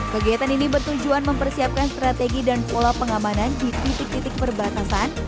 kegiatan ini bertujuan mempersiapkan strategi dan pola pengamanan di titik titik perbatasan